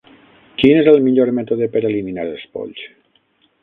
Quin és el millor mètode per eliminar els polls?